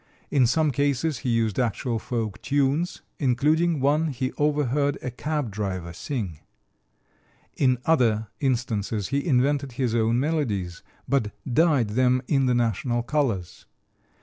In some cases he used actual folk tunes, including one he overheard a cab driver sing. In other instances he invented his own melodies, but dyed them in the national colors.